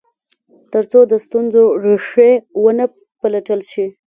تر څو د ستونزو ریښې و نه پلټل شي.